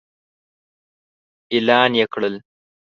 اعلان يې کړل.